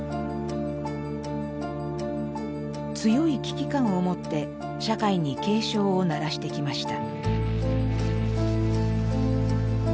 強い危機感をもって社会に警鐘を鳴らしてきました。